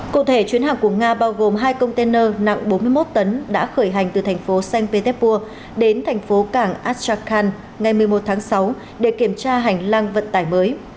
cụ thể chuyến hàng của nga bao gồm hai container nặng bốn mươi một tấn đã khởi hành từ thành phố sanh peterspur đến thành phố cảng ashakan ngày một mươi một tháng sáu để kiểm tra hành lang vận tải mới